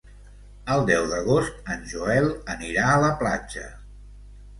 El deu d'agost en Joel anirà a la platja.